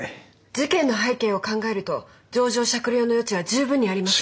事件の背景を考えると情状酌量の余地は十分にあります。